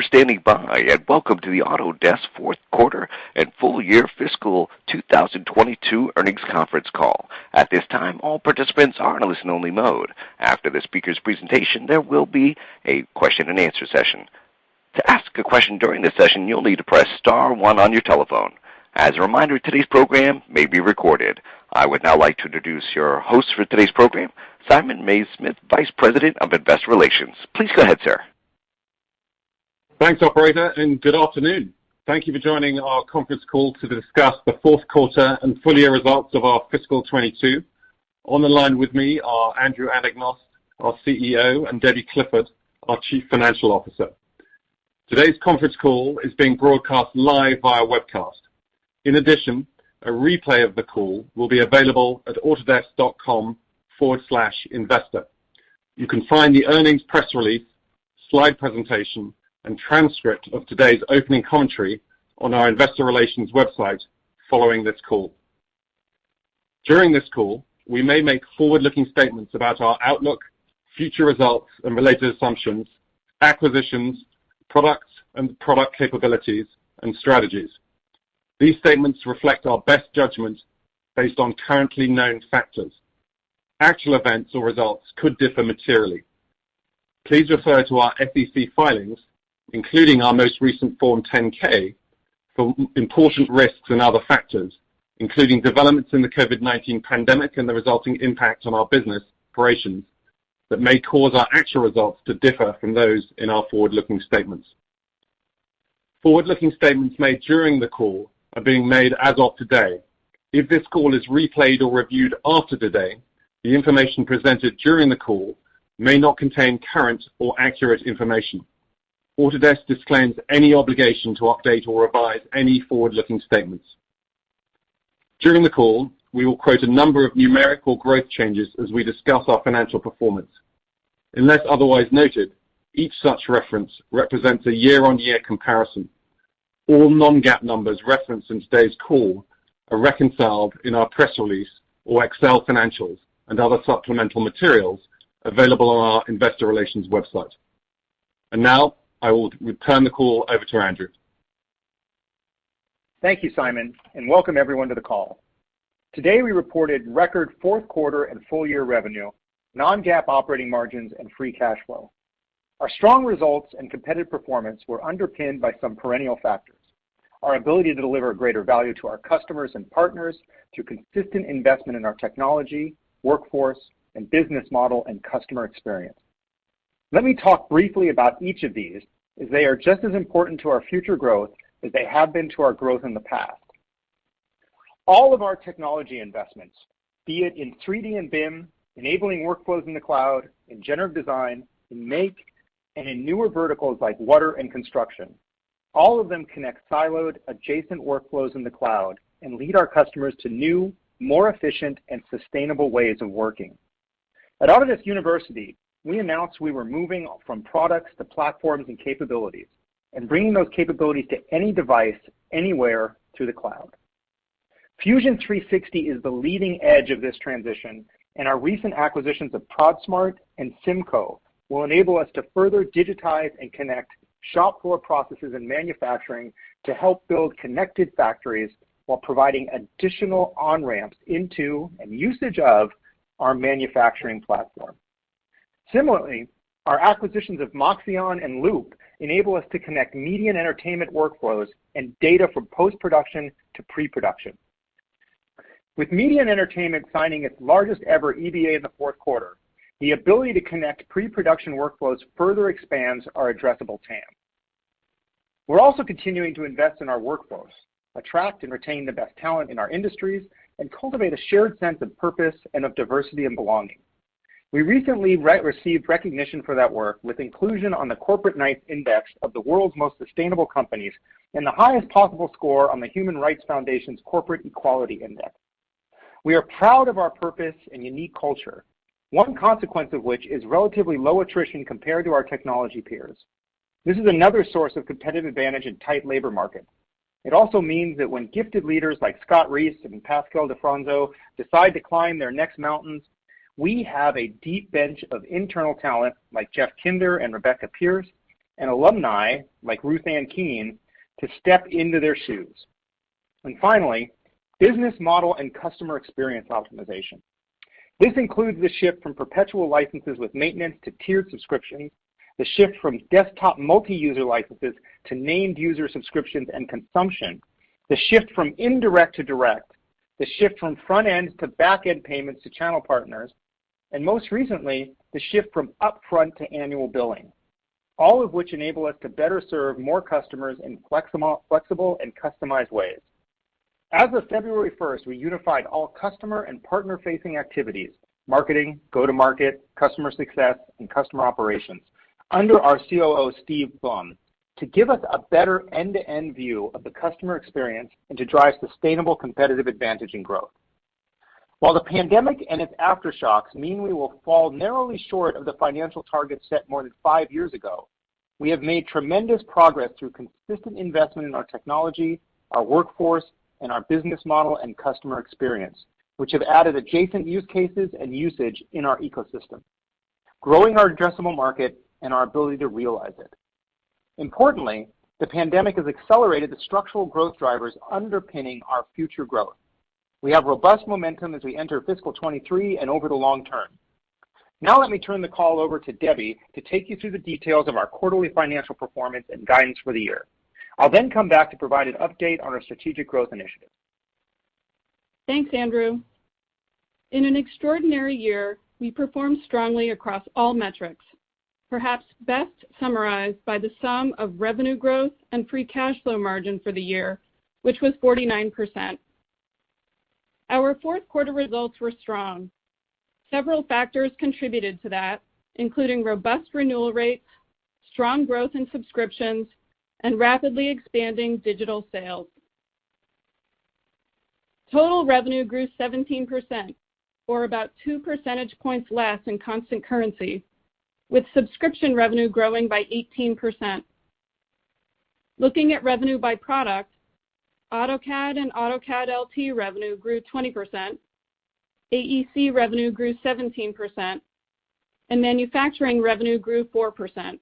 Thank you for standing by, and welcome to the Autodesk fourth quarter and Full Year Fiscal 2022 Earnings Conference Call. At this time, all participants are in a listen only mode. After the speaker's presentation, there will be a question and answer session. To ask a question during this session, you'll need to press star one on your telephone. As a reminder, today's program may be recorded. I would now like to introduce your host for today's program, Simon Mays-Smith, Vice President of Investor Relations. Please go ahead, sir. Thanks, operator, and good afternoon. Thank you for joining our conference call to discuss the fourth quarter and full year results of our fiscal 2022. On the line with me are Andrew Anagnost, our CEO, and Debbie Clifford, our Chief Financial Officer. Today's conference call is being broadcast live via webcast. In addition, a replay of the call will be available at autodesk.com/investor. You can find the earnings press release, slide presentation, and transcript of today's opening commentary on our investor relations website following this call. During this call, we may make forward-looking statements about our outlook, future results and related assumptions, acquisitions, products, and product capabilities and strategies. These statements reflect our best judgment based on currently known factors. Actual events or results could differ materially. Please refer to our SEC filings, including our most recent Form 10-K for important risks and other factors, including developments in the COVID-19 pandemic and the resulting impact on our business operations that may cause our actual results to differ from those in our forward-looking statements. Forward-looking statements made during the call are being made as of today. If this call is replayed or reviewed after today, the information presented during the call may not contain current or accurate information. Autodesk disclaims any obligation to update or revise any forward-looking statements. During the call, we will quote a number of numerical growth changes as we discuss our financial performance. Unless otherwise noted, each such reference represents a year-on-year comparison. All non-GAAP numbers referenced in today's call are reconciled in our press release or Excel financials and other supplemental materials available on our investor relations website. Now, I will return the call over to Andrew. Thank you, Simon, and welcome everyone to the call. Today, we reported record fourth quarter and full year revenue, non-GAAP operating margins, and free cash flow. Our strong results and competitive performance were underpinned by some perennial factors, our ability to deliver greater value to our customers and partners through consistent investment in our technology, workforce, and business model and customer experience. Let me talk briefly about each of these, as they are just as important to our future growth as they have been to our growth in the past. All of our technology investments, be it in 3D and BIM, enabling workflows in the cloud, in Generative Design, in Make, and in newer verticals like water and construction, all of them connect siloed adjacent workflows in the cloud and lead our customers to new, more efficient and sustainable ways of working. At Autodesk University, we announced we were moving from products to platforms and capabilities and bringing those capabilities to any device anywhere through the cloud. Fusion 360 is the leading edge of this transition, and our recent acquisitions of Prodsmart and CIMCO will enable us to further digitize and connect shop floor processes and manufacturing to help build connected factories while providing additional on-ramps into and usage of our manufacturing platform. Similarly, our acquisitions of Moxion and LoUPE enable us to connect media and entertainment workflows and data from post-production to pre-production. With media and entertainment signing its largest ever EBA in the fourth quarter, the ability to connect pre-production workflows further expands our addressable TAM. We're also continuing to invest in our workforce, attract and retain the best talent in our industries, and cultivate a shared sense of purpose and of diversity and belonging. We recently received recognition for that work with inclusion on the Corporate Knights index of the world's most sustainable companies and the highest possible score on the Human Rights Campaign Foundation's Corporate Equality Index. We are proud of our purpose and unique culture, one consequence of which is relatively low attrition compared to our technology peers. This is another source of competitive advantage in tight labor market. It also means that when gifted leaders like Scott Reese and Pascal Di Fronzo decide to climb their next mountains, we have a deep bench of internal talent like Jeff Kinder and Rebecca Pearce and alumni like Ruth Ann Keene to step into their shoes. Finally, business model and customer experience optimization. This includes the shift from perpetual licenses with maintenance to tiered subscriptions, the shift from desktop multi-user licenses to named user subscriptions and consumption, the shift from indirect to direct, the shift from front end to back end payments to channel partners, and most recently, the shift from upfront to annual billing. All of which enable us to better serve more customers in flexible and customized ways. As of February 1st, we unified all customer and partner-facing activities, marketing, go-to-market, customer success, and customer operations under our COO, Steve Blum, to give us a better end-to-end view of the customer experience and to drive sustainable competitive advantage and growth. While the pandemic and its aftershocks mean we will fall narrowly short of the financial targets set more than five years ago, we have made tremendous progress through consistent investment in our technology, our workforce, and our business model and customer experience, which have added adjacent use cases and usage in our ecosystem, growing our addressable market and our ability to realize it. Importantly, the pandemic has accelerated the structural growth drivers underpinning our future growth. We have robust momentum as we enter fiscal 2023 and over the long term. Now let me turn the call over to Debbie to take you through the details of our quarterly financial performance and guidance for the year. I'll then come back to provide an update on our strategic growth initiatives. Thanks, Andrew. In an extraordinary year, we performed strongly across all metrics, perhaps best summarized by the sum of revenue growth and free cash flow margin for the year, which was 49%. Our fourth quarter results were strong. Several factors contributed to that, including robust renewal rates, strong growth in subscriptions, and rapidly expanding digital sales. Total revenue grew 17% or about two-percentage points less in constant currency, with subscription revenue growing by 18%. Looking at revenue by product, AutoCAD and AutoCAD LT revenue grew 20%, AEC revenue grew 17%, and manufacturing revenue grew 4%.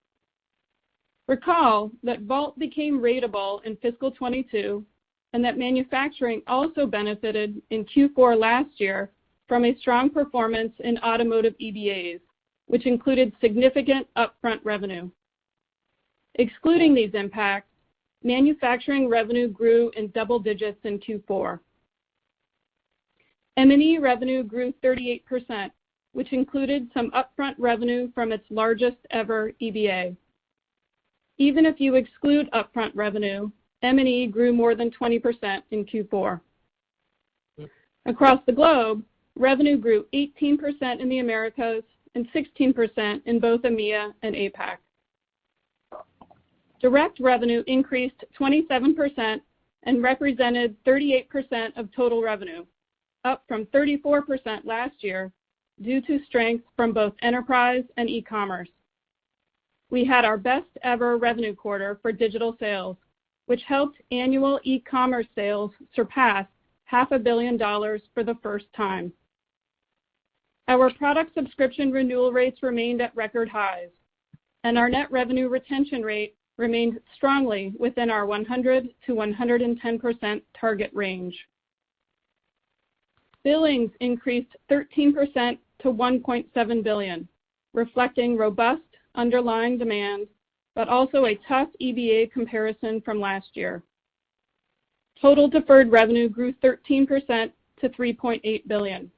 Recall that Vault became ratable in FY22 and that manufacturing also benefited in Q4 last year from a strong performance in automotive EBAs, which included significant upfront revenue. Excluding these impacts, manufacturing revenue grew in double digits in Q4. M&E revenue grew 38%, which included some upfront revenue from its largest-ever EBA. Even if you exclude upfront revenue, M&E grew more than 20% in Q4. Across the globe, revenue grew 18% in the Americas and 16% in both EMEA and APAC. Direct revenue increased 27% and represented 38% of total revenue, up from 34% last year due to strength from both enterprise and e-commerce. We had our best-ever revenue quarter for digital sales, which helped annual e-commerce sales surpass half a billion dollars for the first time. Our product subscription renewal rates remained at record highs, and our net revenue retention rate remained strongly within our 100%-110% target range. Billings increased 13% to $1.7 billion, reflecting robust underlying demand but also a tough EBA comparison from last year. Total deferred revenue grew 13% to $3.8 billion.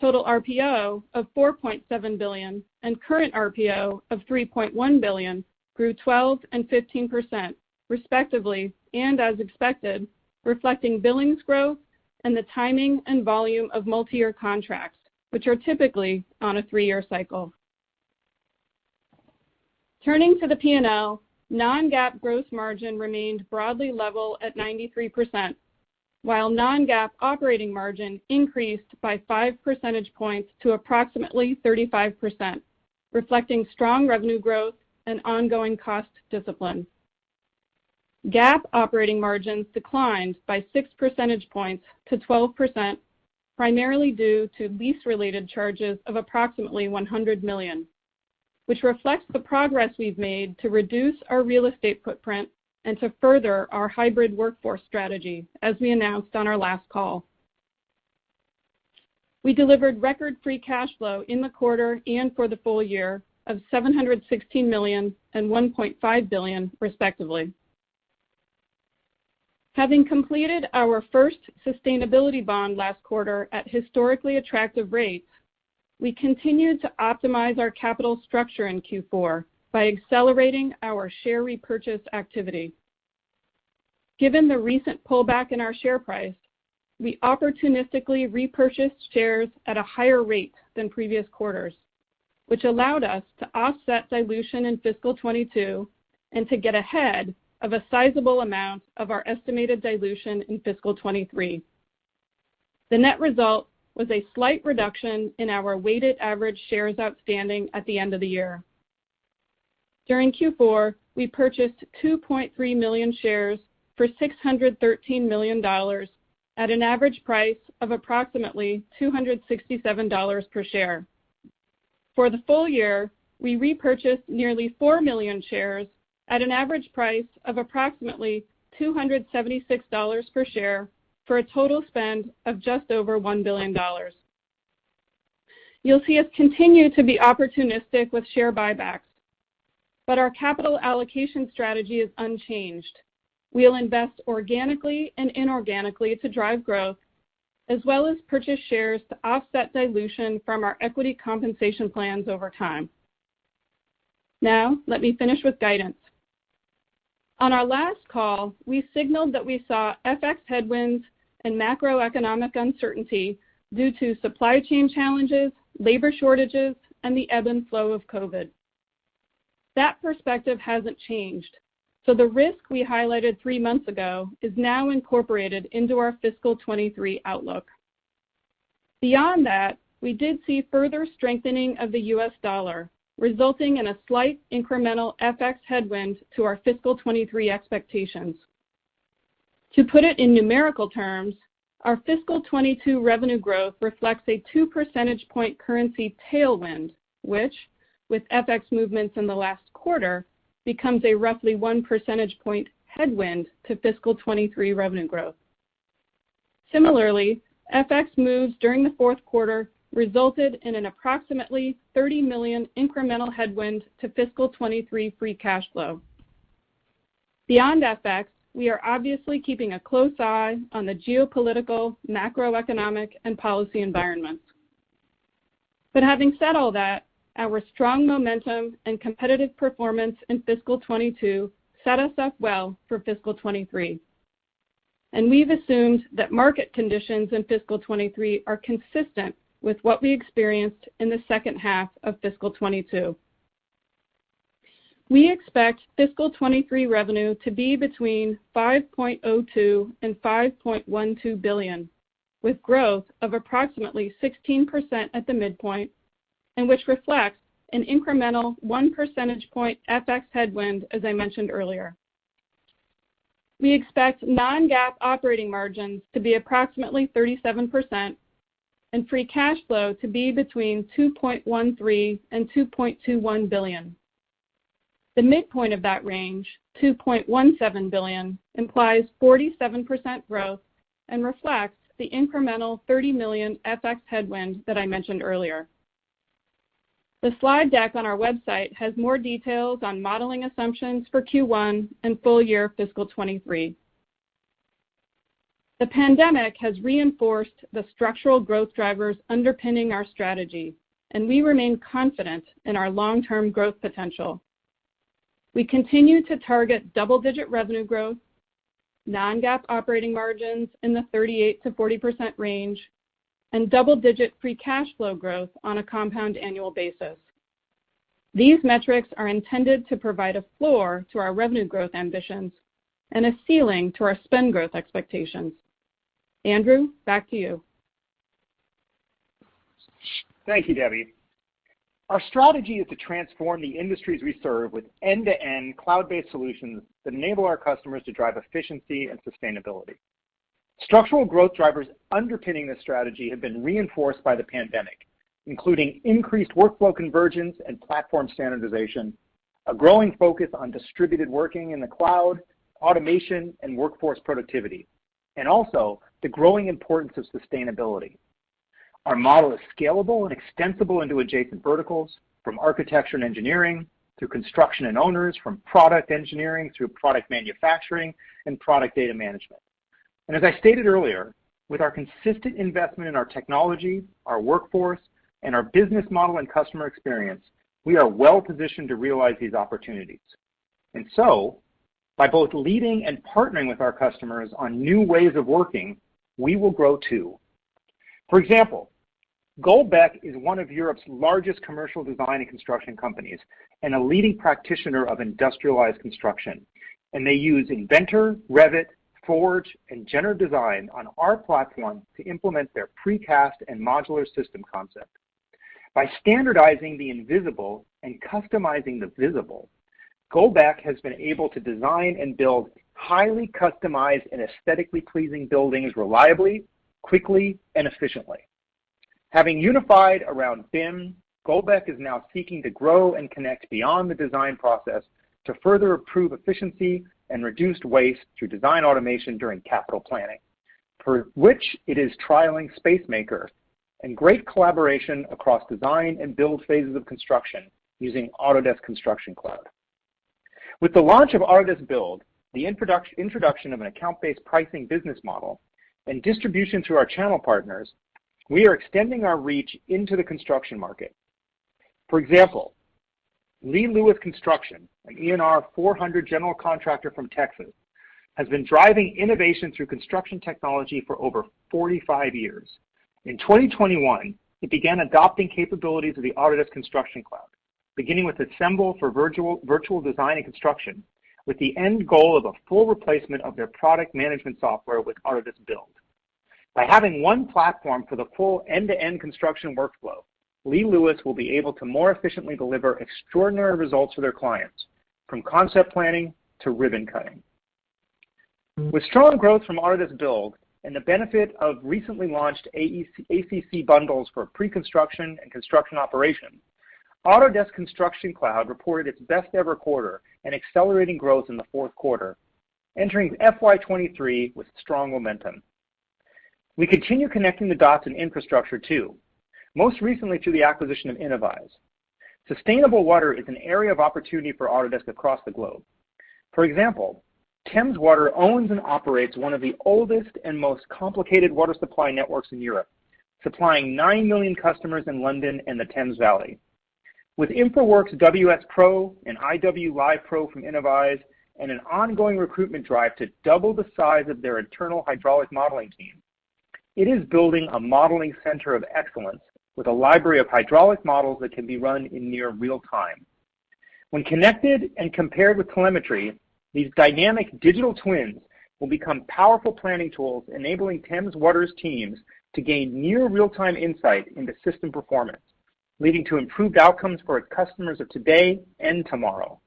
Total RPO of $4.7 billion and current RPO of $3.1 billion grew 12% and 15% respectively, and as expected, reflecting billings growth and the timing and volume of multiyear contracts, which are typically on a three-year cycle. Turning to the P&L, non-GAAP gross margin remained broadly level at 93%, while non-GAAP operating margin increased by five-percentage-points to approximately 35%, reflecting strong revenue growth and ongoing cost discipline. GAAP operating margins declined by six-percentage-points to 12%, primarily due to lease-related charges of approximately $100 million, which reflects the progress we've made to reduce our real estate footprint and to further our hybrid workforce strategy as we announced on our last call. We delivered record free cash flow in the quarter and for the full year of $716 million and $1.5 billion, respectively. Having completed our first sustainability bond last quarter at historically attractive rates, we continued to optimize our capital structure in Q4 by accelerating our share repurchase activity. Given the recent pullback in our share price, we opportunistically repurchased shares at a higher rate than previous quarters, which allowed us to offset dilution in fiscal 2022 and to get ahead of a sizable amount of our estimated dilution in fiscal 2023. The net result was a slight reduction in our weighted average shares outstanding at the end of the year. During Q4, we purchased 2.3 million shares for $613 million at an average price of approximately $267 per share. For the full year, we repurchased nearly 4 million shares at an average price of approximately $276 per share for a total spend of just over $1 billion. You'll see us continue to be opportunistic with share buybacks, but our capital allocation strategy is unchanged. We'll invest organically and inorganically to drive growth as well as purchase shares to offset dilution from our equity compensation plans over time. Now, let me finish with guidance. On our last call, we signaled that we saw FX headwinds and macroeconomic uncertainty due to supply chain challenges, labor shortages, and the ebb and flow of COVID. That perspective hasn't changed, so the risk we highlighted three months ago is now incorporated into our fiscal 2023 outlook. Beyond that, we did see further strengthening of the U.S. dollar, resulting in a slight incremental FX headwind to our fiscal 2023 expectations. To put it in numerical terms, our fiscal 2022 revenue growth reflects a 2 percentage point currency tailwind, which with FX movements in the last quarter, becomes a roughly 1 percentage point headwind to fiscal 2023 revenue growth. Similarly, FX moves during the fourth quarter resulted in an approximately $30 million incremental headwind to fiscal 2023 free cash flow. Beyond FX, we are obviously keeping a close eye on the geopolitical, macroeconomic, and policy environments. Having said all that, our strong momentum and competitive performance in fiscal 2022 set us up well for fiscal 2023. We've assumed that market conditions in fiscal 2023 are consistent with what we experienced in the second half of fiscal 2022. We expect fiscal 2023 revenue to be between $5.02 billion and $5.12 billion, with growth of approximately 16% at the midpoint, which reflects an incremental 1 percentage point FX headwind, as I mentioned earlier. We expect non-GAAP operating margins to be approximately 37% and free cash flow to be between $2.13 billion and $2.21 billion. The midpoint of that range, $2.17 billion, implies 47% growth and reflects the incremental $30 million FX headwind that I mentioned earlier. The slide deck on our website has more details on modeling assumptions for Q1 and full year fiscal 2023. The pandemic has reinforced the structural growth drivers underpinning our strategy, and we remain confident in our long-term growth potential. We continue to target double-digit revenue growth, non-GAAP operating margins in the 38%-40% range, and double-digit free cash flow growth on a compound annual basis. These metrics are intended to provide a floor to our revenue growth ambitions and a ceiling to our spend growth expectations. Andrew, back to you. Thank you, Debbie. Our strategy is to transform the industries we serve with end-to-end cloud-based solutions that enable our customers to drive efficiency and sustainability. Structural growth drivers underpinning this strategy have been reinforced by the pandemic, including increased workflow convergence and platform standardization, a growing focus on distributed working in the cloud, automation, and workforce productivity, and also the growing importance of sustainability. Our model is scalable and extensible into adjacent verticals, from architecture and engineering to construction and owners, from product engineering through product manufacturing and product data management. As I stated earlier, with our consistent investment in our technology, our workforce, and our business model and customer experience, we are well-positioned to realize these opportunities. By both leading and partnering with our customers on new ways of working, we will grow too. For example, GOLDBECK is one of Europe's largest commercial design and construction companies and a leading practitioner of industrialized construction, and they use Inventor, Revit, Forge, and Generative Design on our platform to implement their precast and modular system concept. By standardizing the invisible and customizing the visible, GOLDBECK has been able to design and build highly customized and aesthetically pleasing buildings reliably, quickly, and efficiently. Having unified around BIM, GOLDBECK is now seeking to grow and connect beyond the design process to further improve efficiency and reduced waste through design automation during capital planning, for which it is trialing Spacemaker and great collaboration across design and build phases of construction using Autodesk Construction Cloud. With the launch of Autodesk Build, the introduction of an account-based pricing business model and distribution through our channel partners, we are extending our reach into the construction market. For example, Lee Lewis Construction, an ENR 400 general contractor from Texas, has been driving innovation through construction technology for over 45 years. In 2021, it began adopting capabilities of the Autodesk Construction Cloud, beginning with Assemble for virtual design and construction, with the end goal of a full replacement of their product management software with Autodesk Build. By having one platform for the full end-to-end construction workflow, Lee Lewis will be able to more efficiently deliver extraordinary results for their clients, from concept planning to ribbon cutting. With strong growth from Autodesk Build and the benefit of recently launched AEC-ACC bundles for pre-construction and construction operation, Autodesk Construction Cloud reported its best-ever quarter and accelerating growth in the fourth quarter, entering FY23 with strong momentum. We continue connecting the dots in infrastructure too, most recently through the acquisition of Innovyze. Sustainable water is an area of opportunity for Autodesk across the globe. For example, Thames Water owns and operates one of the oldest and most complicated water supply networks in Europe, supplying nine million customers in London and the Thames Valley. With InfoWorks WS Pro and IWLive Pro from Innovyze and an ongoing recruitment drive to double the size of their internal hydraulic modeling team, it is building a modeling center of excellence with a library of hydraulic models that can be run in near real-time. When connected and compared with telemetry, these dynamic digital twins will become powerful planning tools, enabling Thames Water's teams to gain near real-time insight into system performance, leading to improved outcomes for our customers of today and tomorrow.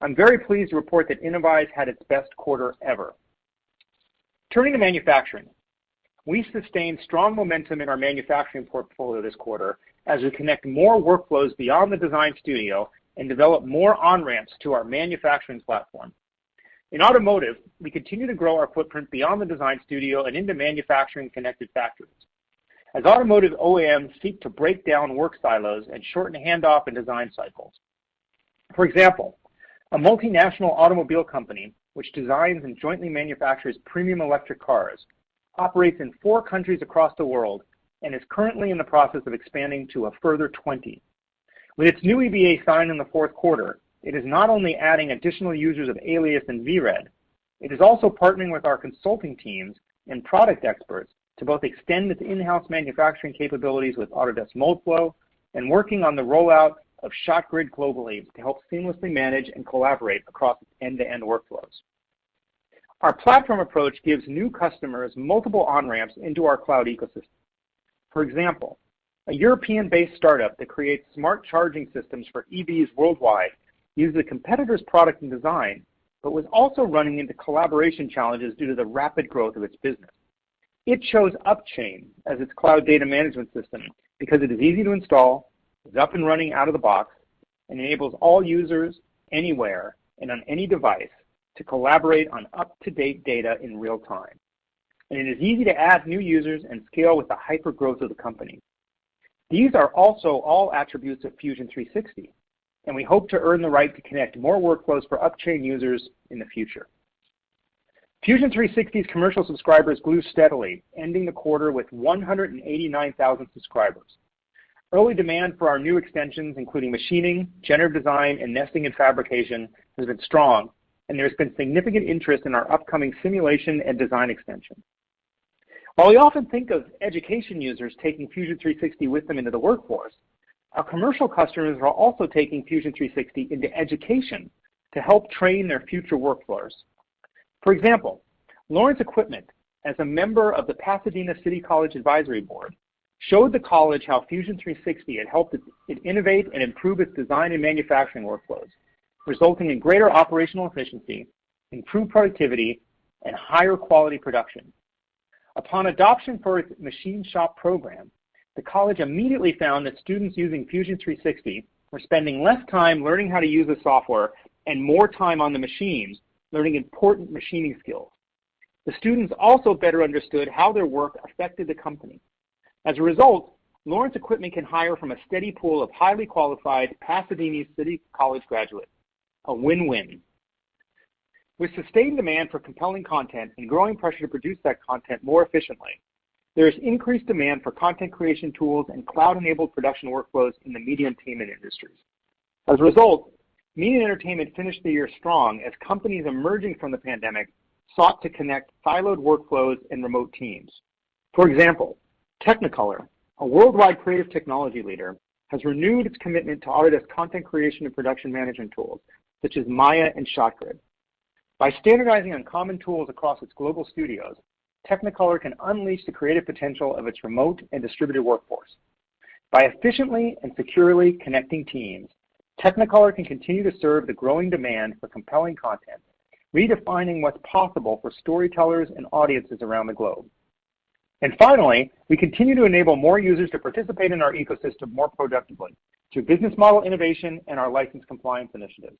I'm very pleased to report that Innovyze had its best quarter ever. Turning to manufacturing. We sustained strong momentum in our manufacturing portfolio this quarter as we connect more workflows beyond the design studio and develop more on-ramps to our manufacturing platform. In automotive, we continue to grow our footprint beyond the design studio and into manufacturing connected factories as automotive OEMs seek to break down work silos and shorten handoff and design cycles. For example, a multinational automobile company which designs and jointly manufactures premium electric cars operates in four countries across the world and is currently in the process of expanding to a further 20. With its new EBA signed in the fourth quarter, it is not only adding additional users of Alias and VRED, it is also partnering with our consulting teams and product experts to both extend its in-house manufacturing capabilities with Autodesk Moldflow and working on the rollout of ShotGrid globally to help seamlessly manage and collaborate across end-to-end workflows. Our platform approach gives new customers multiple on-ramps into our cloud ecosystem. For example, a European-based startup that creates smart charging systems for EVs worldwide used a competitor's product and design, but was also running into collaboration challenges due to the rapid growth of its business. It chose Upchain as its cloud data management system because it is easy to install, is up and running out of the box, enables all users anywhere and on any device to collaborate on up-to-date data in real time, and it is easy to add new users and scale with the hypergrowth of the company. These are also all attributes of Fusion 360, and we hope to earn the right to connect more workflows for Upchain users in the future. Fusion 360's commercial subscribers grew steadily, ending the quarter with 189,000 subscribers. Early demand for our new extensions, including machining, Generative Design, and nesting and fabrication, has been strong, and there's been significant interest in our upcoming simulation and design extension. While we often think of education users taking Fusion 360 with them into the workforce, our commercial customers are also taking Fusion 360 into education to help train their future workforces. For example, Lawrence Equipment, as a member of the Pasadena City College Advisory Board, showed the college how Fusion 360 had helped it innovate and improve its design and manufacturing workflows, resulting in greater operational efficiency, improved productivity, and higher quality production. Upon adoption for its machine shop program, the college immediately found that students using Fusion 360 were spending less time learning how to use the software and more time on the machines learning important machining skills. The students also better understood how their work affected the company. As a result, Lawrence Equipment can hire from a steady pool of highly qualified Pasadena City College graduates. A win-win. With sustained demand for compelling content and growing pressure to produce that content more efficiently, there is increased demand for content creation tools and cloud-enabled production workflows in the media and entertainment industries. As a result, Media and Entertainment finished the year strong as companies emerging from the pandemic sought to connect siloed workflows and remote teams. For example, Technicolor, a worldwide creative technology leader, has renewed its commitment to Autodesk content creation and production management tools, such as Maya and ShotGrid. By standardizing on common tools across its global studios, Technicolor can unleash the creative potential of its remote and distributed workforce. By efficiently and securely connecting teams, Technicolor can continue to serve the growing demand for compelling content, redefining what's possible for storytellers and audiences around the globe. Finally, we continue to enable more users to participate in our ecosystem more productively through business model innovation and our license compliance initiatives.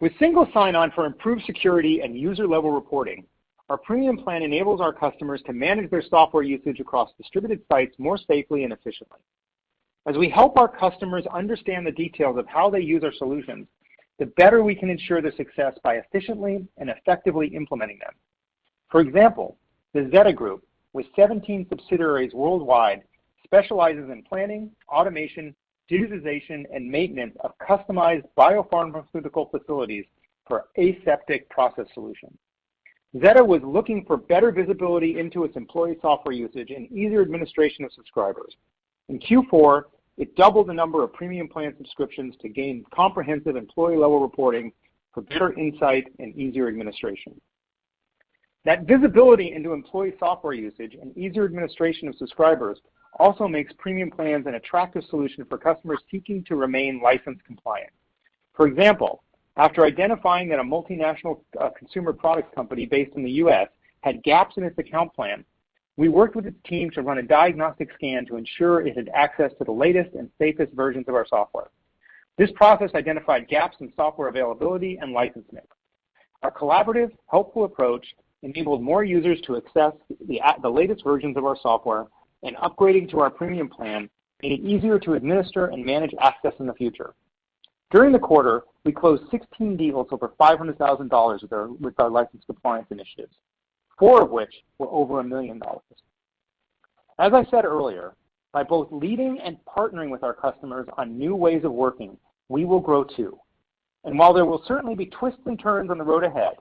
With single sign-on for improved security and user-level reporting, our premium plan enables our customers to manage their software usage across distributed sites more safely and efficiently. As we help our customers understand the details of how they use our solutions, the better we can ensure their success by efficiently and effectively implementing them. For example, The ZETA Group, with 17 subsidiaries worldwide, specializes in planning, automation, digitization, and maintenance of customized biopharmaceutical facilities for aseptic process solutions. ZETA was looking for better visibility into its employee software usage and easier administration of subscribers. In Q4, it doubled the number of premium plan subscriptions to gain comprehensive employee-level reporting for better insight and easier administration. That visibility into employee software usage and easier administration of subscribers also makes premium plans an attractive solution for customers seeking to remain license compliant. For example, after identifying that a multinational consumer products company based in the U.S. had gaps in its account plan, we worked with its team to run a diagnostic scan to ensure it had access to the latest and safest versions of our software. This process identified gaps in software availability and license mix. Our collaborative, helpful approach enabled more users to access the latest versions of our software, and upgrading to our premium plan made it easier to administer and manage access in the future. During the quarter, we closed 16 deals over $500,000 with our license compliance initiatives, four of which were over $1 million. As I said earlier, by both leading and partnering with our customers on new ways of working, we will grow too. While there will certainly be twists and turns on the road ahead,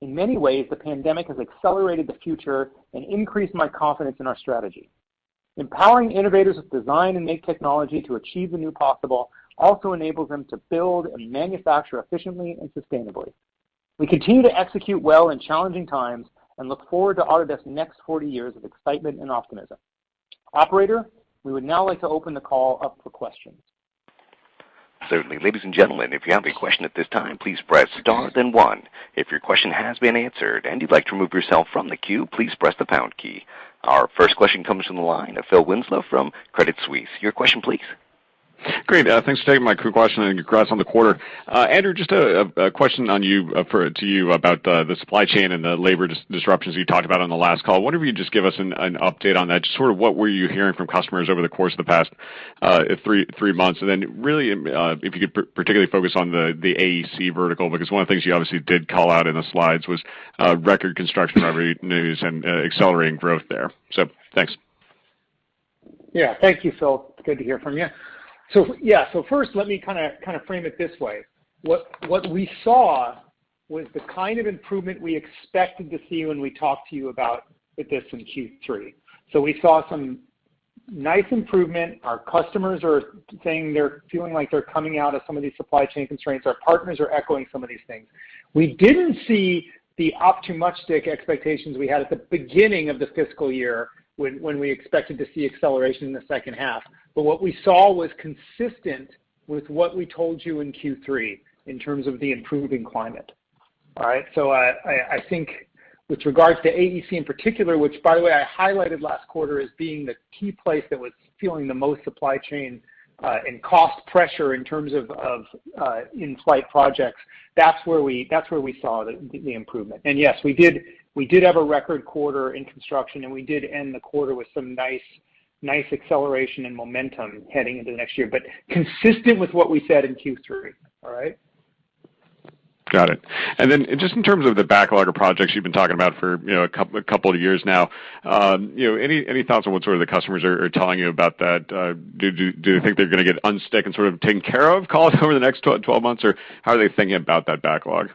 in many ways, the pandemic has accelerated the future and increased my confidence in our strategy. Empowering innovators with design and make technology to achieve the new possible also enables them to build and manufacture efficiently and sustainably. We continue to execute well in challenging times and look forward to Autodesk's next 40 years of excitement and optimism. Operator, we would now like to open the call up for questions. Certainly. Ladies and gentlemen, if you have a question at this time, please press star then one. If your question has been answered and you'd like to remove yourself from the queue, please press the pound key. Our first question comes from the line of Phil Winslow from Credit Suisse. Your question please. Great. Thanks for taking my question and congrats on the quarter. Andrew, just a question for you about the supply chain and the labor disruptions you talked about on the last call. Wonder if you could just give us an update on that. Just sort of what were you hearing from customers over the course of the past three months? And then really, if you could particularly focus on the AEC vertical? because one of the things you obviously did call out in the slides was record construction revenue and accelerating growth there. Thanks. Yeah, thank you, Phil. Good to hear from you. Yeah. First let me kinda frame it this way. What we saw was the kind of improvement we expected to see when we talked to you about this in Q3. We saw some nice improvement. Our customers are saying they're feeling like they're coming out of some of these supply chain constraints. Our partners are echoing some of these things. We didn't see the upside expectations we had at the beginning of this fiscal year when we expected to see acceleration in the second half. What we saw was consistent with what we told you in Q3 in terms of the improving climate. All right? I think with regards to AEC in particular, which by the way, I highlighted last quarter as being the key place that was feeling the most supply chain and cost pressure in terms of in-flight projects, that's where we saw the improvement. Yes, we did have a record quarter in construction, and we did end the quarter with some nice acceleration and momentum heading into next year. Consistent with what we said in Q3. All right? Got it. Just in terms of the backlog of projects you've been talking about for, you know, a couple of years now, any thoughts on what sort of the customers are telling you about that? Do you think they're gonna get unstuck and sort of taken care of, call it, over the next 12 months, or how are they thinking about that backlog?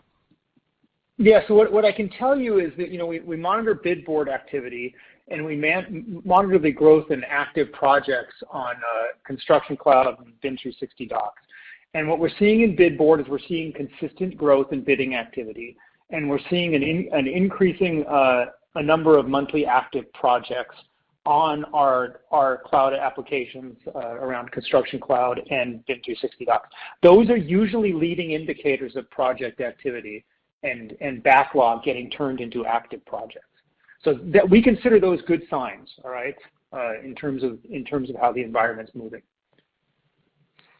What I can tell you is that, you know, we monitor Bid Board activity, and we monitor the growth in active projects on Construction Cloud on BIM 360 Docs. What we're seeing in Bid Board is we're seeing consistent growth in bidding activity, and we're seeing an increasing number of monthly active projects on our cloud applications around Construction Cloud and BIM 360 Docs. Those are usually leading indicators of project activity and backlog getting turned into active projects. We consider those good signs, all right, in terms of how the environment's moving.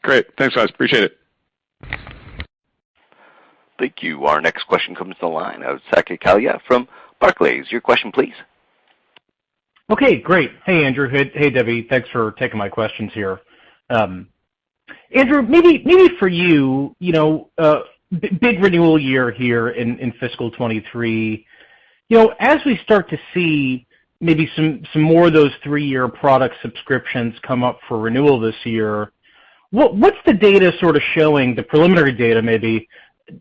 Great. Thanks, guys. Appreciate it. Thank you. Our next question comes to the line of Saket Kalia from Barclays. Your question please. Okay, great. Hey, Andrew. Hey, Debbie. Thanks for taking my questions here. Andrew, maybe for you know, big renewal year here in fiscal 2023. You know, as we start to see maybe some more of those three-year product subscriptions come up for renewal this year, what's the data sort of showing, the preliminary data maybe,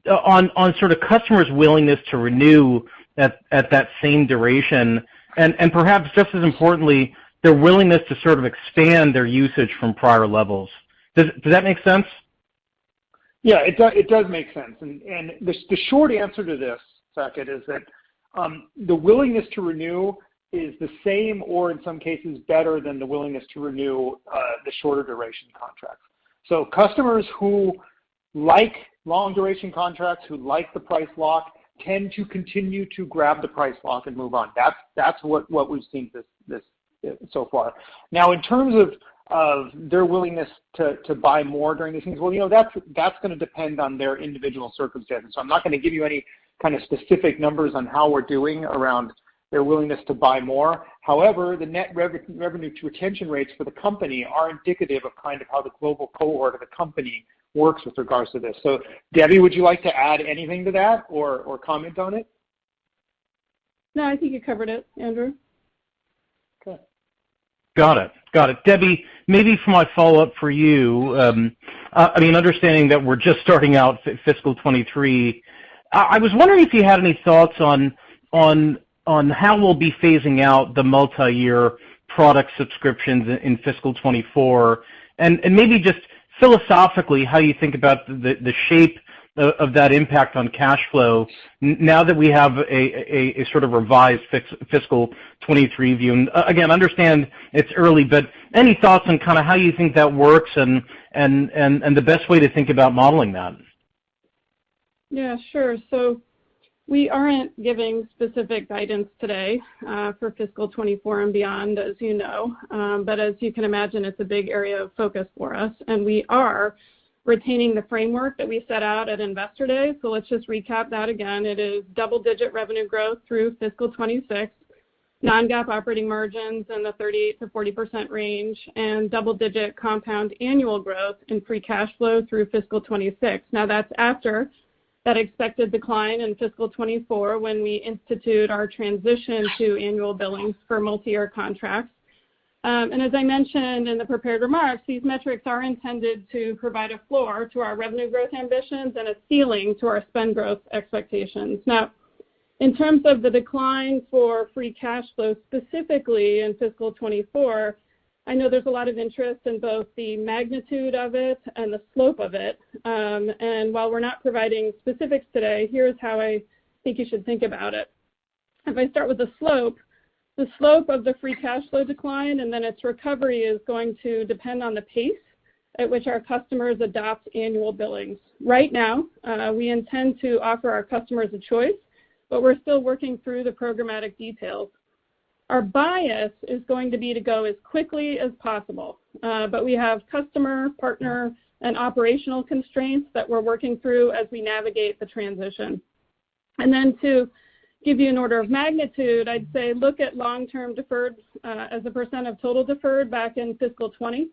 on sort of customers' willingness to renew at that same duration and perhaps just as importantly, their willingness to sort of expand their usage from prior levels? Does that make sense? It does make sense. The short answer to this, Saket, is that the willingness to renew is the same or in some cases better than the willingness to renew the shorter duration contracts. Customers who like long duration contracts, who like the price lock, tend to continue to grab the price lock and move on. That's what we've seen so far. In terms of their willingness to buy more during these things, well, you know, that's gonna depend on their individual circumstances. I'm not gonna give you any kind of specific numbers on how we're doing around their willingness to buy more. However, the net revenue retention rates for the company are indicative of kind of how the global cohort of the company works with regards to this. Debbie, would you like to add anything to that or comment on it? No, I think you covered it, Andrew. Got it. Debbie, maybe for my follow-up for you, I mean, understanding that we're just starting out fiscal 2023, I was wondering if you had any thoughts on how we'll be phasing out the multi-year product subscriptions in fiscal 2024, and maybe just philosophically, how you think about the shape of that impact on cash flow now that we have a sort of revised fiscal 2023 view. Again, understand it's early, but any thoughts on kinda how you think that works and the best way to think about modeling that? Yeah, sure. We aren't giving specific guidance today for fiscal 2024 and beyond, as you know. As you can imagine, it's a big area of focus for us, and we are retaining the framework that we set out at Investor Day. Let's just recap that again. It is double-digit revenue growth through fiscal 2026, non-GAAP operating margins in the 30%-40% range, and double-digit compound annual growth in free cash flow through fiscal 2026. Now, that's after that expected decline in fiscal 2024 when we institute our transition to annual billings for multi-year contracts. As I mentioned in the prepared remarks, these metrics are intended to provide a floor to our revenue growth ambitions and a ceiling to our spend growth expectations. In terms of the decline for free cash flow, specifically in fiscal 2024, I know there's a lot of interest in both the magnitude of it and the slope of it. While we're not providing specifics today, here's how I think you should think about it. If I start with the slope, the slope of the free cash flow decline and then its recovery is going to depend on the pace at which our customers adopt annual billings. Right now, we intend to offer our customers a choice, but we're still working through the programmatic details. Our bias is going to be to go as quickly as possible, but we have customer, partner, and operational constraints that we're working through as we navigate the transition. To give you an order of magnitude, I'd say look at long-term deferreds as a percent of total deferred back in fiscal 2020.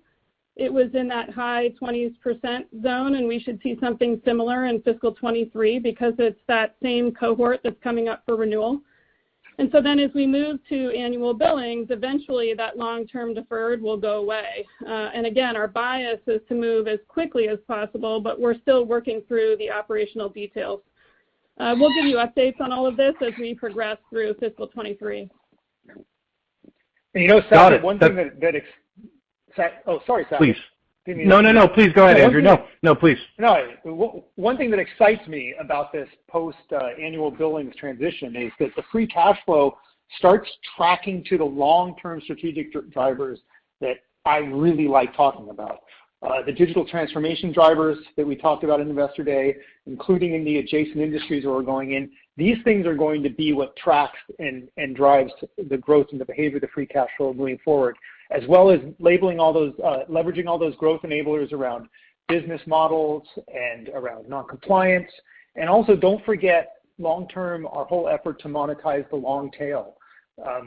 It was in that high 20s% zone, and we should see something similar in fiscal 2023 because it's that same cohort that's coming up for renewal. As we move to annual billings, eventually that long-term deferred will go away. Again, our bias is to move as quickly as possible, but we're still working through the operational details. We'll give you updates on all of this as we progress through fiscal 2023. You know, Saket. Got it. One thing that Saket. Oh, sorry, Saket. Please. Give me a second. No, no. Please go ahead, Andrew. No. No, please. One thing that excites me about this post-annual billings transition is that the free cash flow starts tracking to the long-term strategic drivers that I really like talking about. The digital transformation drivers that we talked about in Investor Day, including in the adjacent industries that we're going in, these things are going to be what tracks and drives the growth and the behavior of the free cash flow going forward, as well as leveraging all those growth enablers around business models and around non-compliance. Also don't forget, long-term, our whole effort to monetize the long tail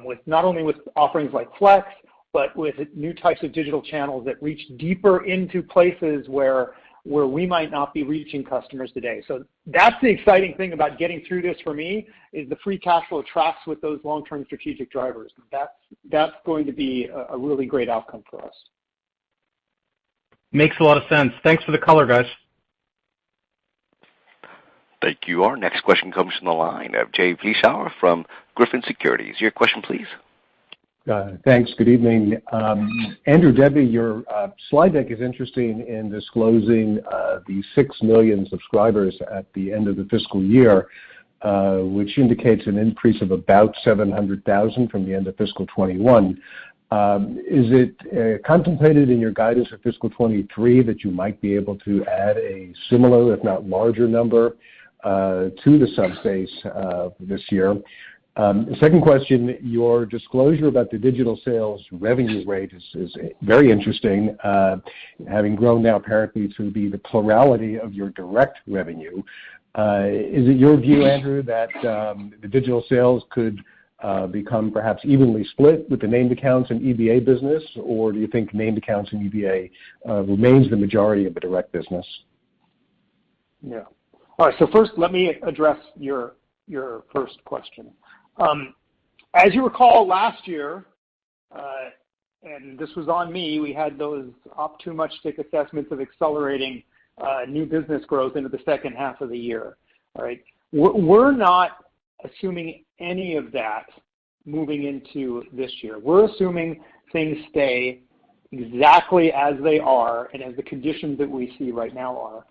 with not only offerings like Flex, but with new types of digital channels that reach deeper into places where we might not be reaching customers today. That's the exciting thing about getting through this for me, is the free cash flow tracks with those long-term strategic drivers. That's going to be a really great outcome for us. Makes a lot of sense. Thanks for the color, guys. Thank you. Our next question comes from the line of Jay Vleeschhouwer from Griffin Securities. Your question, please. Thanks. Good evening. Andrew, Debbie, your slide deck is interesting in disclosing the 6 million subscribers at the end of the fiscal year, which indicates an increase of about 700,000 from the end of fiscal 2021. Is it contemplated in your guidance for fiscal 2023 that you might be able to add a similar, if not larger number, to the sub-base this year? Second question, your disclosure about the digital sales revenue rate is very interesting, having grown now apparently to be the plurality of your direct revenue. Is it your view, Andrew, that the digital sales could become perhaps evenly split with the named accounts in EBA business, or do you think named accounts in EBA remains the majority of the direct business? Yeah. All right, first let me address your first question. As you recall, last year, and this was on me, we had those optimistic assessments of accelerating new business growth into the second half of the year. All right? We're not assuming any of that moving into this year. We're assuming things stay exactly as they are and as the conditions that we see right now are.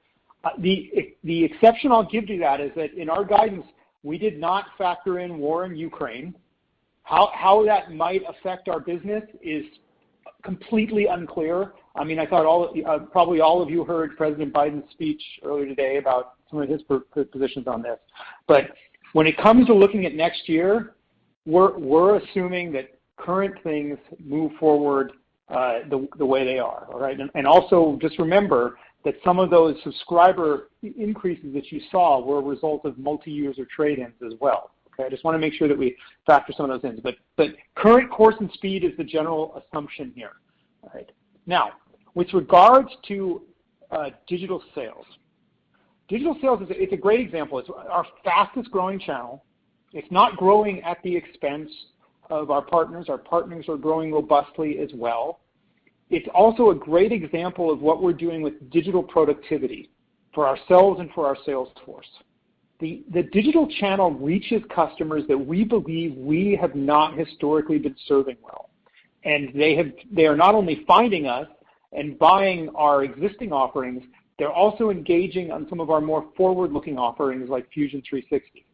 The exception I'll give to that is that in our guidance, we did not factor in war in Ukraine. How that might affect our business is completely unclear. I mean, I thought all of, probably all of you heard President Biden's speech earlier today about some of his positions on this. When it comes to looking at next year, we're assuming that current things move forward, the way they are. All right. Also just remember that some of those subscriber increases that you saw were a result of multi-year or trade-ins as well. Okay. I just wanna make sure that we factor some of those in. Current course and speed is the general assumption here. All right. Now, with regards to digital sales. Digital sales is a great example. It's our fastest-growing channel. It's not growing at the expense of our partners. Our partners are growing robustly as well. It's also a great example of what we're doing with digital productivity for ourselves and for our sales force. The digital channel reaches customers that we believe we have not historically been serving well. They are not only finding us and buying our existing offerings, they're also engaging on some of our more forward-looking offerings like Fusion 360.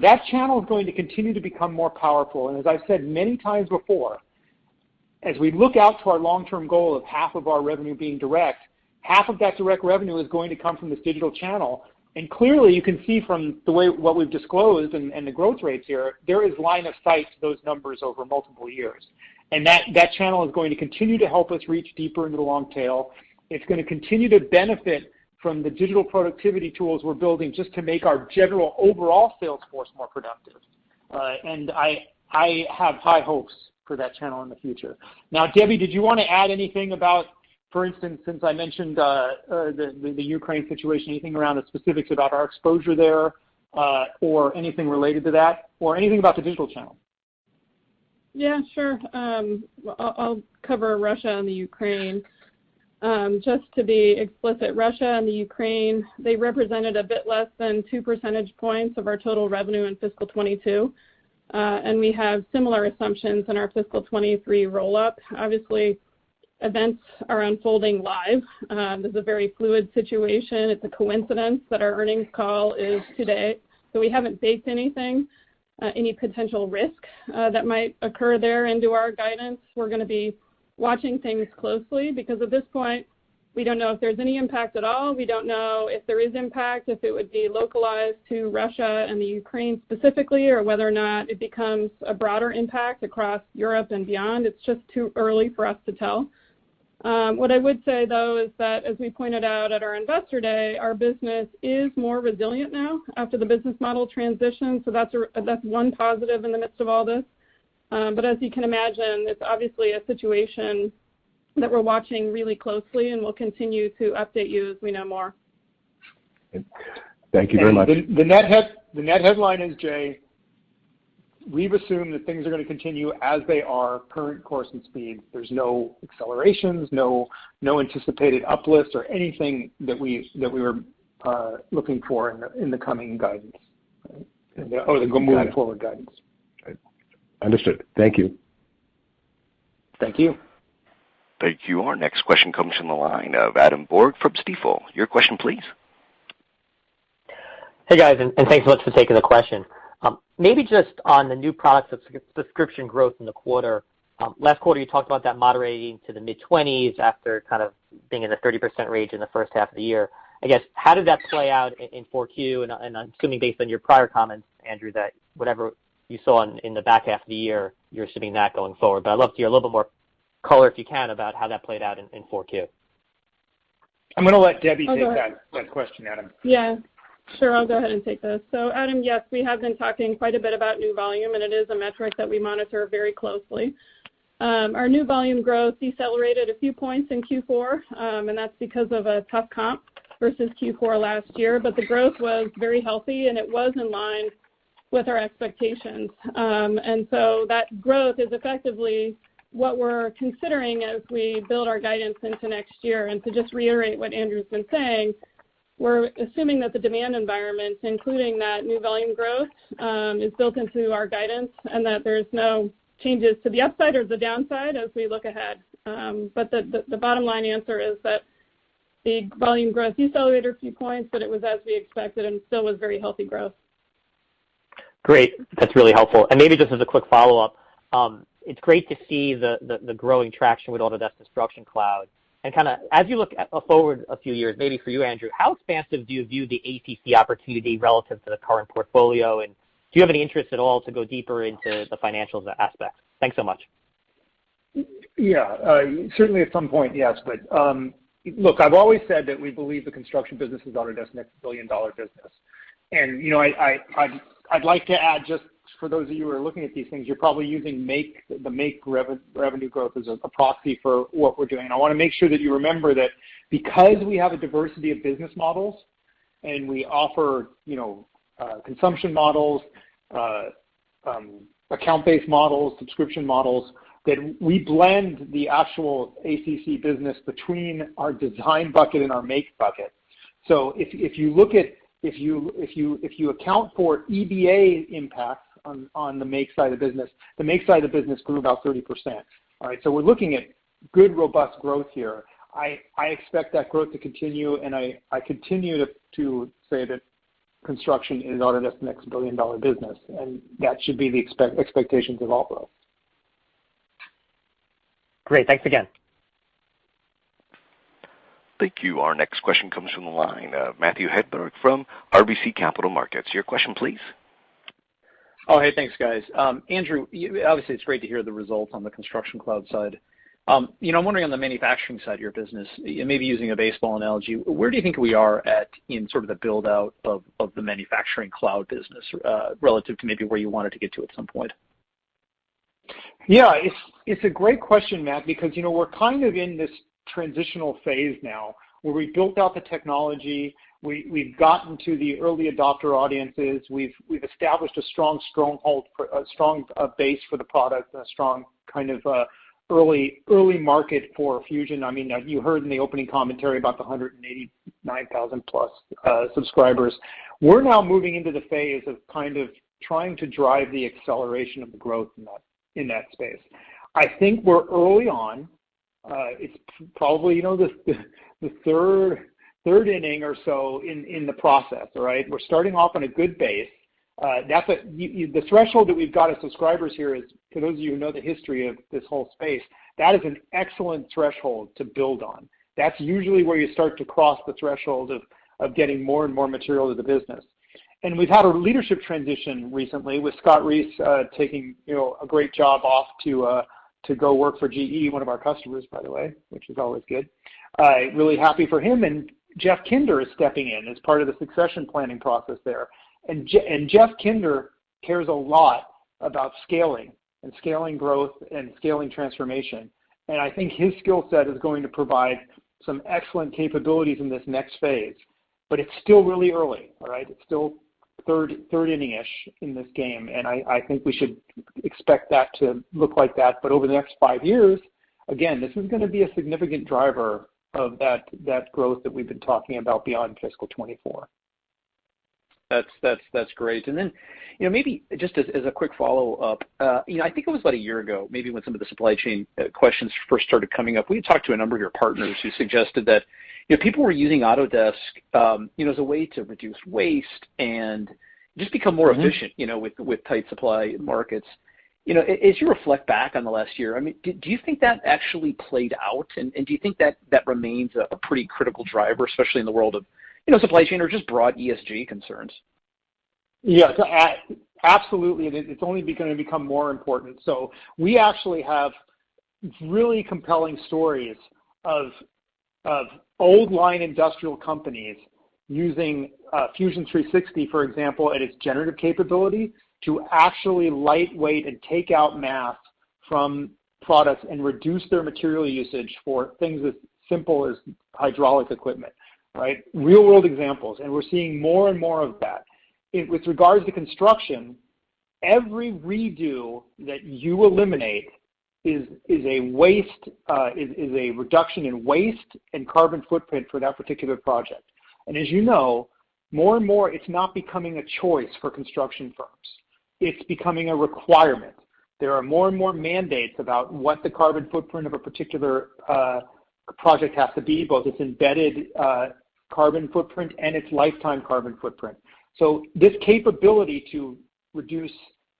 That channel is going to continue to become more powerful. As I've said many times before, as we look out to our long-term goal of half of our revenue being direct, half of that direct revenue is going to come from this digital channel. Clearly, you can see from the way, what we've disclosed and the growth rates here, there is line of sight to those numbers over multiple years. That channel is going to continue to help us reach deeper into the long tail. It's gonna continue to benefit from the digital productivity tools we're building just to make our general overall sales force more productive. I have high hopes for that channel in the future. Now, Debbie, did you wanna add anything about, for instance, since I mentioned the Ukraine situation, anything around the specifics about our exposure there, or anything related to that, or anything about the digital channel? Yeah, sure. I'll cover Russia and the Ukraine. Just to be explicit, Russia and the Ukraine, they represented a bit less than 2 percentage points of our total revenue in fiscal 2022. We have similar assumptions in our fiscal 2023 roll up. Obviously, events are unfolding live. This is a very fluid situation. It's a coincidence that our earnings call is today, so we haven't baked anything, any potential risk, that might occur there into our guidance. We're gonna be watching things closely because at this point, we don't know if there's any impact at all. We don't know if there is impact, if it would be localized to Russia and the Ukraine specifically, or whether or not it becomes a broader impact across Europe and beyond. It's just too early for us to tell. What I would say, though, is that, as we pointed out at our Investor Day, our business is more resilient now after the business model transition. That's one positive in the midst of all this. As you can imagine, it's obviously a situation that we're watching really closely, and we'll continue to update you as we know more. Thank you very much. The net headline is, Jay, we've assumed that things are gonna continue as they are, current course and speed. There's no accelerations, no anticipated uplifts or anything that we were looking for in the coming guidance. [inaudible] Forward guidance. Understood, thank you. Thank you. Thank you. Our next question comes from the line of Adam Borg from Stifel. Your question, please. Hey, guys, and thanks so much for taking the question. Maybe just on the new products subscription growth in the quarter. Last quarter, you talked about that moderating to the mid-20s after kind of being in the 30% range in the first half of the year. I guess, how did that play out in 4Q? I'm assuming based on your prior comments, Andrew, that whatever you saw in the back half of the year, you're assuming that going forward. I'd love to hear a little bit more color, if you can, about how that played out in 4Q. I'm gonna let Debbie take that question, Adam. Yeah, sure. I'll go ahead and take this. Adam, yes, we have been talking quite a bit about new volume, and it is a metric that we monitor very closely. Our new volume growth decelerated a few points in Q4, and that's because of a tough comp versus Q4 last year. The growth was very healthy, and it was in line with our expectations. That growth is effectively what we're considering as we build our guidance into next year. To just reiterate what Andrew's been saying, we're assuming that the demand environment, including that new volume growth, is built into our guidance and that there's no changes to the upside or the downside as we look ahead. The bottom line answer is that the volume growth decelerated a few points, but it was as we expected and still was very healthy growth. Great. That's really helpful. Maybe just as a quick follow-up, it's great to see the growing traction with Autodesk Construction Cloud. Kinda as you look forward a few years, maybe for you, Andrew, how expansive do you view the ACC opportunity relative to the current portfolio? Do you have any interest at all to go deeper into the financials aspect? Thanks so much. Yeah. Certainly at some point, yes. Look, I've always said that we believe the construction business is Autodesk's next billion-dollar business. You know, I'd like to add, just for those of you who are looking at these things, you're probably using Make, the Make revenue growth as a proxy for what we're doing. I wanna make sure that you remember that because we have a diversity of business models, and we offer, you know, consumption models, account-based models, subscription models, that we blend the actual ACC business between our design bucket and our Make bucket. So if you account for EBA impact on the Make side of the business, the Make side of the business grew about 30%. All right? We're looking at good, robust growth here. I expect that growth to continue, and I continue to say that construction is Autodesk's next billion-dollar business, and that should be the expectations of all of us. Great. Thanks again. Thank you. Our next question comes from the line of Matthew Hedberg from RBC Capital Markets. Your question, please. Oh, hey, thanks, guys. Andrew, obviously, it's great to hear the results on the Construction Cloud side. You know, I'm wondering on the manufacturing side of your business, maybe using a baseball analogy, where do you think we are at in sort of the build out of the Manufacturing Cloud business, relative to maybe where you wanted to get to at some point? Yeah. It's a great question, Matt, because we're kind of in this transitional phase now where we built out the technology. We've gotten to the early adopter audiences. We've established a strong base for the product, a strong kind of early market for Fusion. I mean, you heard in the opening commentary about the 189,000 plus subscribers. We're now moving into the phase of kind of trying to drive the acceleration of the growth in that space. I think we're early on. It's probably the third inning or so in the process. All right? We're starting off on a good base. That's the threshold that we've got as subscribers here is, for those of you who know the history of this whole space, that is an excellent threshold to build on. That's usually where you start to cross the threshold of getting more and more material to the business. We've had a leadership transition recently with Scott Reese taking you know a great job off to go work for GE, one of our customers, by the way, which is always good. Really happy for him. Jeff Kinder is stepping in as part of the succession planning process there. Jeff Kinder cares a lot about scaling and scaling growth and scaling transformation. I think his skill set is going to provide some excellent capabilities in this next phase. It's still really early, all right? It's still third inning-ish in this game, and I think we should expect that to look like that. Over the next five years, again, this is gonna be a significant driver of that growth that we've been talking about beyond fiscal 2024. That's great. You know, maybe just as a quick follow-up, you know, I think it was about a year ago, maybe when some of the supply chain questions first started coming up. We had talked to a number of your partners who suggested that, you know, people were using Autodesk, you know, as a way to reduce waste and just become more efficient, you know, with tight supply markets. You know, as you reflect back on the last year, I mean, do you think that actually played out, and do you think that that remains a pretty critical driver, especially in the world of, you know, supply chain or just broad ESG concerns? Yes, absolutely, it's only gonna become more important. We actually have really compelling stories of old line industrial companies using Fusion 360, for example, and its generative capability to actually lightweight and take out mass from products and reduce their material usage for things as simple as hydraulic equipment. Real world examples, and we're seeing more and more of that. With regards to construction, every redo that you eliminate is a reduction in waste and carbon footprint for that particular project. As you know, more and more, it's not becoming a choice for construction firms. It's becoming a requirement. There are more and more mandates about what the carbon footprint of a particular project has to be, both its embedded carbon footprint and its lifetime carbon footprint. This capability to reduce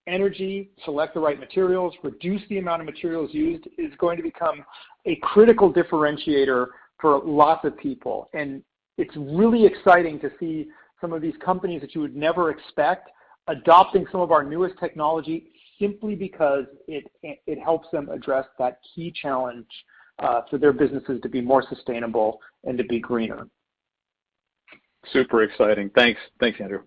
energy, select the right materials, reduce the amount of materials used, is going to become a critical differentiator for lots of people. It's really exciting to see some of these companies that you would never expect adopting some of our newest technology simply because it helps them address that key challenge for their businesses to be more sustainable and to be greener. Super exciting. Thanks. Thanks, Andrew.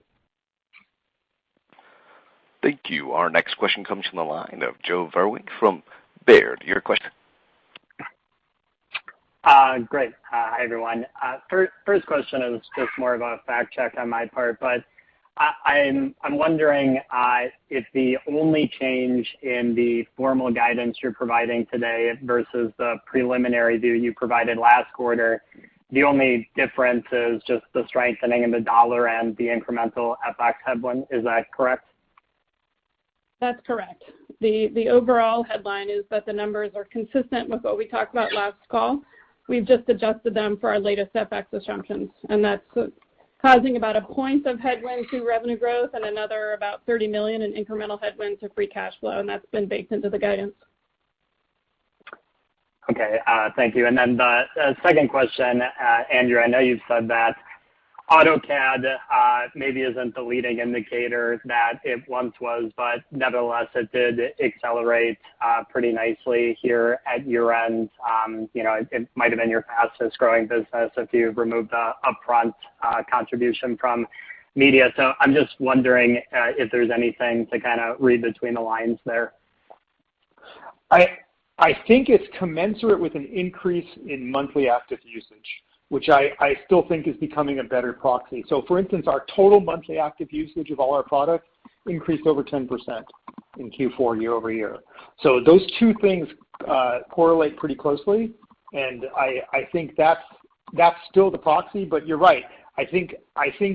Thank you. Our next question comes from the line of Joe Vruwink from Baird. Your question? Great. Hi, everyone. First question is just more of a fact check on my part. I'm wondering if the only change in the formal guidance you're providing today versus the preliminary view you provided last quarter, the only difference is just the strengthening of the dollar and the incremental FX headwind. Is that correct? That's correct. The overall headline is that the numbers are consistent with what we talked about last call. We've just adjusted them for our latest FX assumptions, and that's causing about a point of headwind to revenue growth and another about $30 million in incremental headwind to free cash flow, and that's been baked into the guidance. Okay, thank you. The second question, Andrew, I know you've said that AutoCAD maybe isn't the leading indicator that it once was, but nevertheless, it did accelerate pretty nicely here at year-end. You know, it might have been your fastest-growing business if you remove the upfront contribution from media. I'm just wondering if there's anything to kinda read between the lines there? I think it's commensurate with an increase in monthly active usage, which I still think is becoming a better proxy. For instance, our total monthly active usage of all our products increased over 10% in Q4 year-over-year. Those two things correlate pretty closely, and I think that's still the proxy. You're right. I think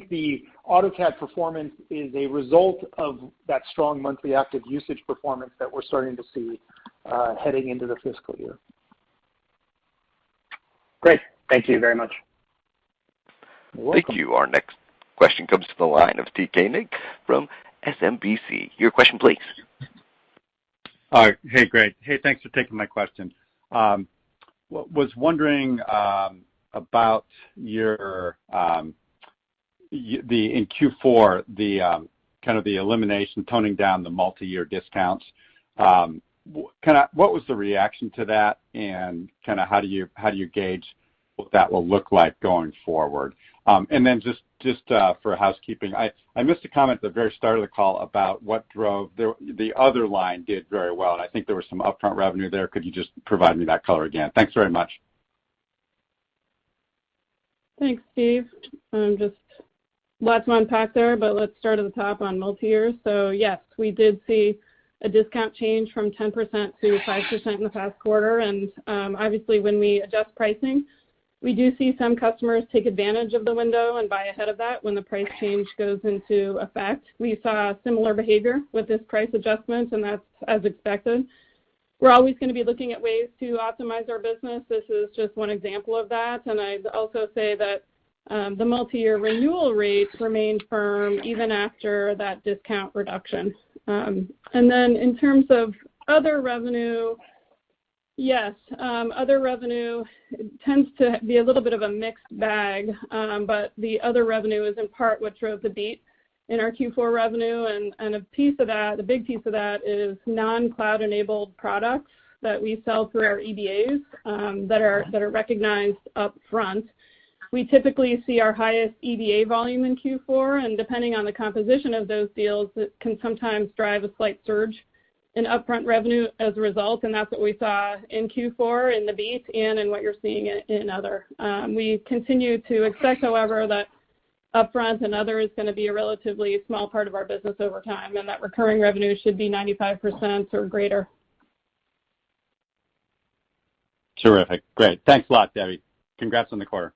the AutoCAD performance is a result of that strong monthly active usage performance that we're starting to see, heading into the fiscal year. Great. Thank you very much. You're welcome. Thank you. Our next question comes to the line of Steve Koenig from SMBC. Your question, please. All right. Hey, Greg. Hey, thanks for taking my question. Was wondering about your the in Q4 the kind of the elimination toning down the multi-year discounts. Kinda what was the reaction to that and kinda how do you gauge what that will look like going forward? Then just for housekeeping, I missed a comment at the very start of the call about what drove the other line did very well, and I think there was some upfront revenue there. Could you just provide me that color again? Thanks very much. Thanks, Steve. Just lots to unpack there, but let's start at the top on multi-year. Yes, we did see a discount change from 10% to 5% in the past quarter. Obviously, when we adjust pricing, we do see some customers take advantage of the window and buy ahead of that when the price change goes into effect. We saw similar behavior with this price adjustment, and that's as expected. We're always gonna be looking at ways to optimize our business. This is just one example of that. I'd also say that the multi-year renewal rates remain firm even after that discount reduction. In terms of other revenue, yes, other revenue tends to be a little bit of a mixed bag, but the other revenue is in part what drove the beat in our Q4 revenue. A piece of that, a big piece of that is non-cloud-enabled products that we sell through our EBAs, that are recognized upfront. We typically see our highest EBA volume in Q4, and depending on the composition of those deals, it can sometimes drive a slight surge in upfront revenue as a result, and that's what we saw in Q4 in the beat and in what you're seeing in other. We continue to expect, however, that upfront and other is gonna be a relatively small part of our business over time, and that recurring revenue should be 95% or greater. Terrific. Great. Thanks a lot, Debbie. Congrats on the quarter.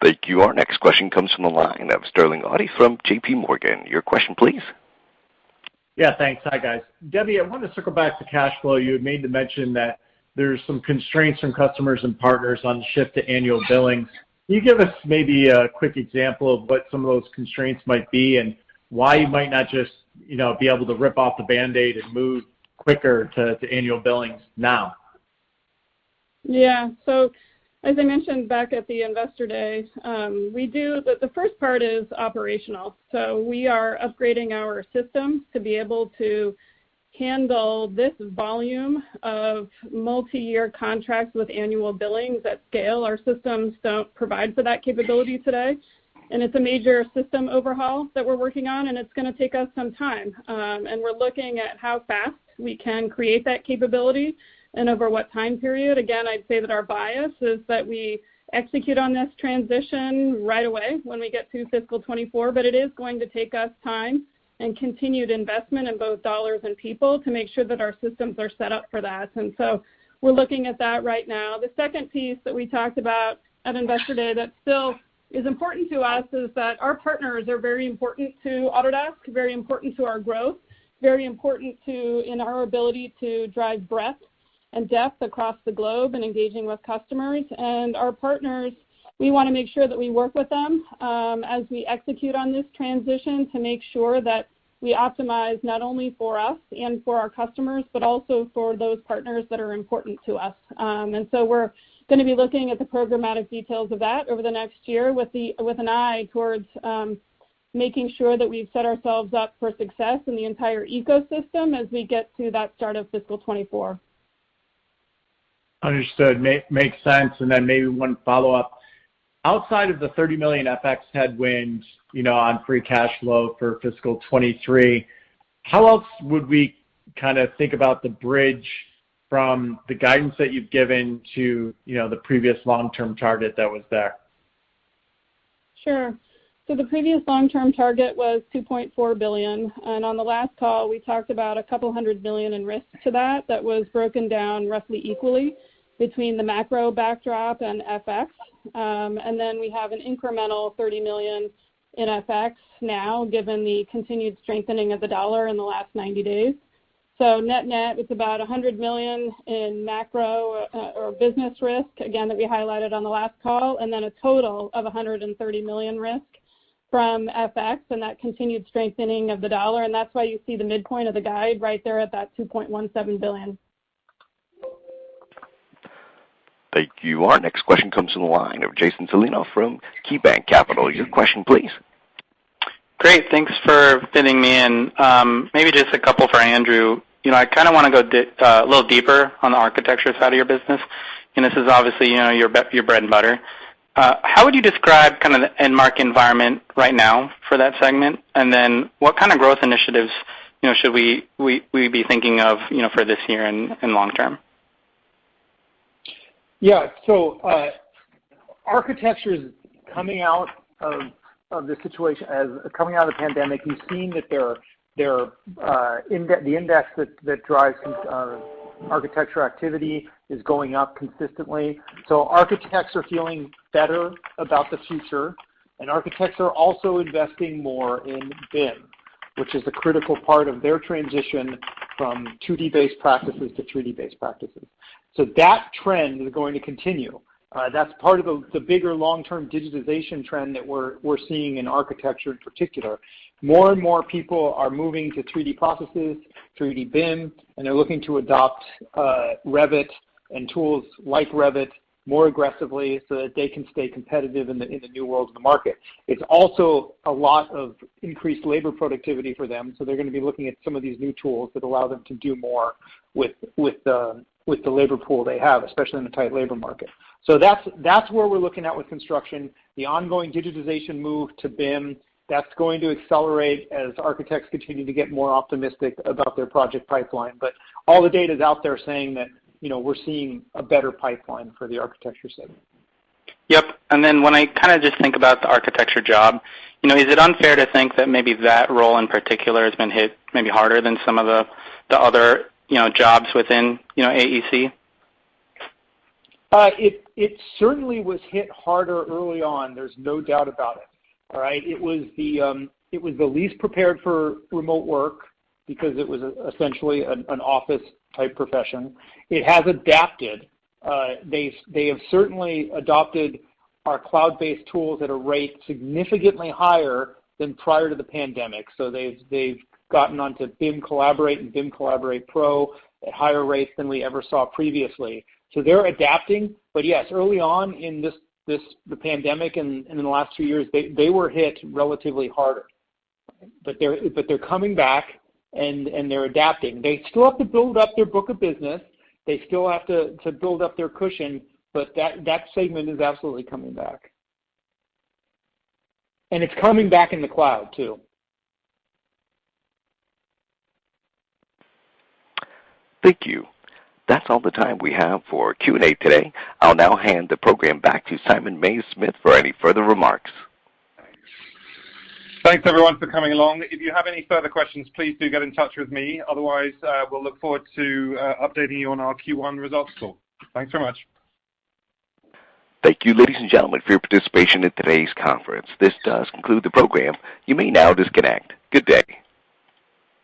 Thank you. Our next question comes from the line of Sterling Auty from J.P. Morgan. Your question, please. Yeah, thanks. Hi, guys. Debbie, I wanted to circle back to cash flow. You had made the mention that there's some constraints from customers and partners on shift to annual billings. Can you give us maybe a quick example of what some of those constraints might be, and why you might not just, you know, be able to rip off the band-aid and move quicker to annual billings now? Yeah. As I mentioned back at the Investor Day, the first part is operational. We are upgrading our systems to be able to handle this volume of multiyear contracts with annual billings at scale. Our systems don't provide for that capability today, and it's a major system overhaul that we're working on, and it's gonna take us some time. We're looking at how fast we can create that capability and over what time period. Again, I'd say that our bias is that we execute on this transition right away when we get to fiscal 2024, but it is going to take us time and continued investment in both dollars and people to make sure that our systems are set up for that. We're looking at that right now. The second piece that we talked about at Investor Day that still is important to us is that our partners are very important to Autodesk, very important to our growth, very important to our ability to drive breadth and depth across the globe in engaging with customers. Our partners, we wanna make sure that we work with them, as we execute on this transition to make sure that we optimize not only for us and for our customers, but also for those partners that are important to us. We're gonna be looking at the programmatic details of that over the next year with an eye towards making sure that we've set ourselves up for success in the entire ecosystem as we get to that start of fiscal 2024. Understood. Makes sense. Then maybe one follow-up. Outside of the $30 million FX headwinds, you know, on free cash flow for fiscal 2023, how else would we kinda think about the bridge from the guidance that you've given to, you know, the previous long-term target that was there? Sure. The previous long-term target was $2.4 billion. On the last call, we talked about a couple hundred million in risk to that that was broken down roughly equally between the macro backdrop and FX. Then we have an incremental $30 million in FX now given the continued strengthening of the dollar in the last 90 days. Net-net, it's about $100 million in macro, or business risk, again, that we highlighted on the last call, and then a total of $130 million risk from FX and that continued strengthening of the dollar. That's why you see the midpoint of the guide right there at that $2.17 billion. Thank you. Our next question comes from the line of Jason Celino from KeyBanc Capital Markets. Your question, please. Great. Thanks for fitting me in. Maybe just a couple for Andrew. You know, I kinda wanna go dig a little deeper on the architecture side of your business. This is obviously, you know, your bread and butter. How would you describe kind of the end market environment right now for that segment? Then what kind of growth initiatives, you know, should we be thinking of, you know, for this year and long-term? Yeah. Architecture's coming out of the pandemic. We've seen that their index, the index that drives architecture activity is going up consistently. Architects are feeling better about the future, and architects are also investing more in BIM, which is the critical part of their transition from 2D based practices to 3D based practices. That trend is going to continue. That's part of the bigger long-term digitization trend that we're seeing in architecture in particular. More and more people are moving to 3D processes, 3D BIM, and they're looking to adopt Revit and tools like Revit more aggressively so that they can stay competitive in the new world of the market. It's also a lot of increased labor productivity for them, so they're gonna be looking at some of these new tools that allow them to do more with the labor pool they have, especially in a tight labor market. That's where we're looking at with construction. The ongoing digitization move to BIM, that's going to accelerate as architects continue to get more optimistic about their project pipeline. All the data's out there saying that, you know, we're seeing a better pipeline for the architecture segment. Yep. When I kinda just think about the architecture job, you know, is it unfair to think that maybe that role in particular has been hit maybe harder than some of the other, you know, jobs within, you know, AEC? It certainly was hit harder early on. There's no doubt about it. All right? It was the least prepared for remote work because it was essentially an office type profession. It has adapted. They have certainly adopted our cloud-based tools at a rate significantly higher than prior to the pandemic. They've gotten onto BIM Collaborate and BIM Collaborate Pro at higher rates than we ever saw previously. They're adapting. Yes, early on in this the pandemic and in the last two years, they were hit relatively harder. They're coming back and they're adapting. They still have to build up their book of business. They still have to build up their cushion. That segment is absolutely coming back. It's coming back in the cloud, too. Thank you. That's all the time we have for Q&A today. I'll now hand the program back to Simon Mays-Smith for any further remarks. Thanks, everyone, for coming along. If you have any further questions, please do get in touch with me. Otherwise, we'll look forward to updating you on our Q1 results call. Thanks so much. Thank you, ladies and gentlemen, for your participation in today's conference. This does conclude the program. You may now disconnect. Good day.